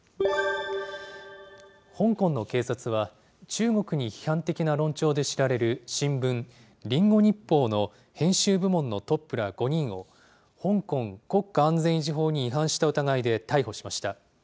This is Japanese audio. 香港の警察は、中国に批判的な論調で知られる新聞、リンゴ日報の編集部門のトップら５人を、香港国家安全維持法に違反した疑いで逮捕しました。